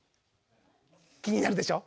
気になるでしょ？